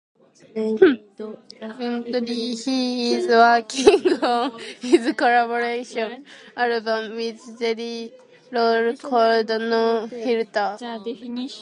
Currently he is working on his collaboration album with JellyRoll called "No Filter".